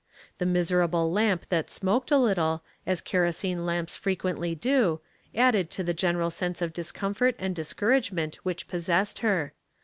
The miserable lamp that smoked a little, as kerosene lamps frequently do, added to the general sense of discomfort and discouragement which possessed her.